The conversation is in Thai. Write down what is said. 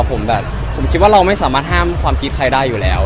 ผมแบบผมคิดว่าเราไม่สามารถห้ามความคิดใครได้อยู่แล้ว